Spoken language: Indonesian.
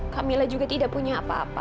kamila juga tidak punya apa apa